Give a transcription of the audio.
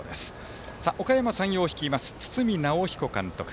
おかやま山陽を率います堤尚彦監督。